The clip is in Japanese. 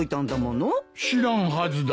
知らんはずだ。